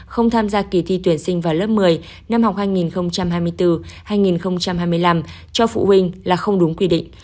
không tham gia kỳ thi tuyển sinh vào lớp một mươi năm học hai nghìn hai mươi bốn hai nghìn hai mươi năm cho phụ huynh là không đúng quy định